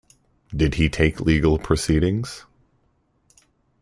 Did he take legal proceedings?